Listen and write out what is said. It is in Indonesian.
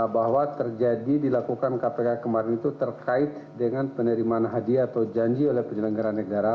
bahwa terjadi dilakukan kpk kemarin itu terkait dengan penerimaan hadiah atau janji oleh penyelenggara negara